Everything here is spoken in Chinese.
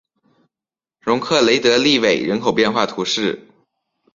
容克雷德利韦人口变化图示